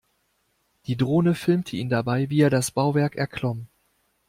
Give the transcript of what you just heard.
Die Drohne filmte ihn dabei, wie er das Bauwerk erklomm.